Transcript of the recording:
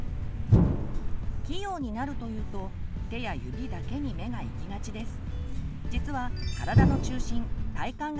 器用になるというと手や指だけに目が行きがちです。